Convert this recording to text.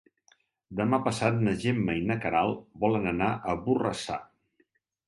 Demà passat na Gemma i na Queralt volen anar a Borrassà.